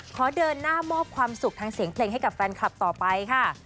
ขอเดินหน้ามอบความสุขทางเสียงเพลงให้กับแฟนคลับต่อไปค่ะ